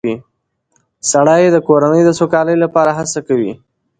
سړی د کورنۍ د سوکالۍ لپاره هڅه کوي